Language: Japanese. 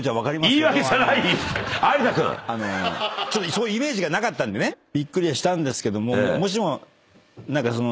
そういうイメージがなかったんでねびっくりはしたんですけども。